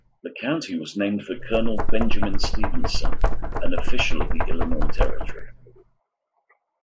The county was named for Colonel Benjamin Stephenson, an official of the Illinois Territory.